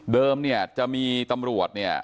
เดิมจะมีตำรวจ